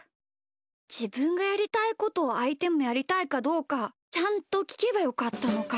じぶんがやりたいことをあいてもやりたいかどうかちゃんときけばよかったのか。